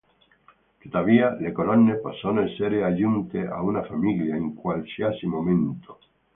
Tuttavia le colonne possono essere aggiunte a una famiglia in qualsiasi momento.